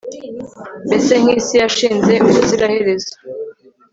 mbese nk'isi yashinze ubuziraherezo